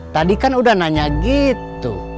tadi kan udah nanya gitu